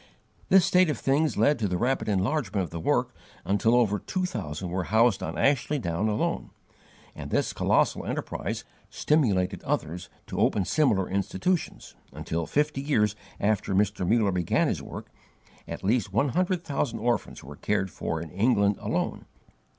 This state of things led to the rapid enlargement of the work until over two thousand were housed on Ashley Down alone; and this colossal enterprise stimulated others to open similar institutions until, fifty years after Mr. Muller began his work, at least one hundred thousand orphans were cared for in England alone.